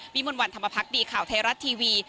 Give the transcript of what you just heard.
วิมวันวันธรรมพักษ์ดีข่าวไทยรัตน์ทีวี